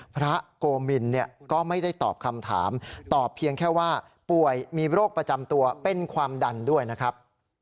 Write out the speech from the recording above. โกมินก็ไม่ได้ตอบคำถามตอบเพียงแค่ว่าป่วยมีโรคประจำตัวเป็นความดันด้วยนะครับ